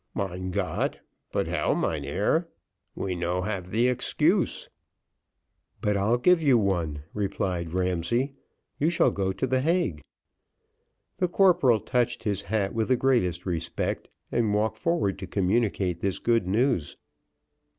"Mein Gott but how, mynheer we no have the excuse." "But I'll give you one," replied Ramsay "you shall go to the Hague." The corporal touched his hat with the greatest respect, and walked forward to communicate this good news.